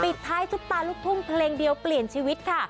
ปิดท้ายซุปตาลูกทุ่งเพลงเดียวเปลี่ยนชีวิตค่ะ